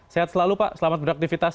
sehat selalu pak selamat beraktivitas